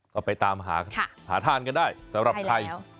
ก็ไปตามหาทานกันได้สำหรับใคร